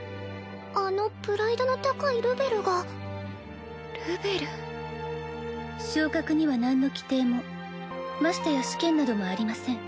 あのプライドの高いルベルがルベル昇格には何の規定もましてや試験などもありません